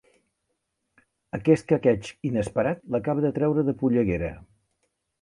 Aquest quequeig inesperat l'acaba de treure de polleguera.